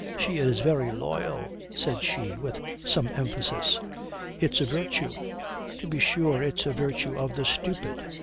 "She is very loyal," said she, with some emphasis. "It's a virtue. To be sure it's a virtue of the stupid."